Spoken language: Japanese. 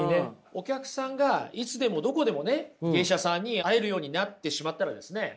お客さんがいつでもどこでもね芸者さんに会えるようになってしまったらですね